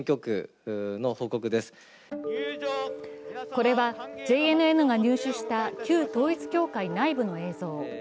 これはＪＮＮが入手した旧統一教会内部の映像。